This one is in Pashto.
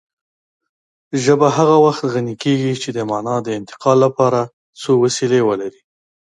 ژبه هغه وخت غني کېږي چې د مانا د انتقال لپاره څو وسیلې ولري